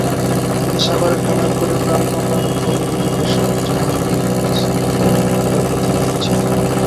তিনি সাভারের হেমায়েতপুরের প্রাণ কোম্পানির পরিবেশক জাহাঙ্গীর প্লাস্টিকের বিক্রয় প্রতিনিধি ছিলেন।